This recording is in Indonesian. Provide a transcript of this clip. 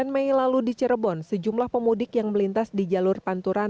sembilan mei lalu di cirebon sejumlah pemudik yang melintas di jalur panturan